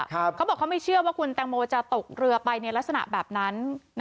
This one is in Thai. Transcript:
เขาบอกเขาไม่เชื่อว่าคุณแตงโมจะตกเรือไปในลักษณะแบบนั้น